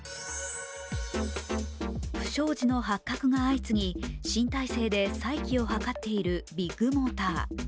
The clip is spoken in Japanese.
不祥事の発覚が相次ぎ、新体制で再起を図っているビッグモーター。